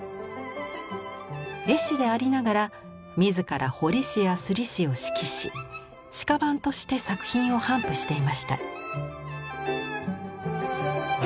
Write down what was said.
絵師でありながら自ら彫師や師を指揮し私家版として作品を頒布していました。